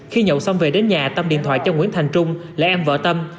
khi nhậu xong về đến nhà tâm điện thoại cho nguyễn thành trung là em vợ tâm